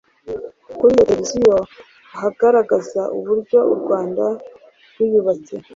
kuri iyo televiziyo agaragaza uburyo u Rwanda rwiyubatse